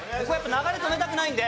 流れ止めたくないんで。